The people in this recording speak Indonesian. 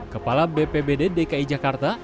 kepala bpbd dki jakarta